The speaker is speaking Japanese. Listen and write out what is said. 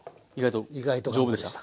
意外と丈夫でした？